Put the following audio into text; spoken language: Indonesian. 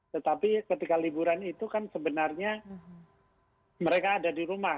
tetapi ketika liburan itu kan sebenarnya mereka ada di rumah